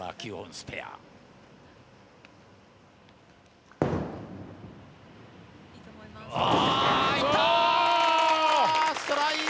ストライク！